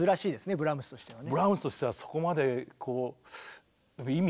ブラームスとしてはね。